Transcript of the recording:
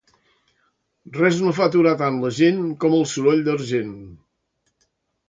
Res no fa aturar tant la gent com el soroll d'argent.